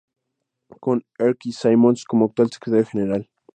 Con Erskine Simmons como actual Secretario General.